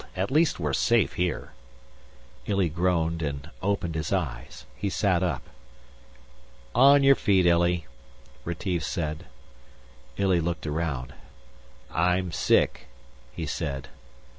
At least we're safe here." Illy groaned and opened his eyes. He sat up. "On your feet, Illy," Retief said. Illy looked around. "I'm sick," he said.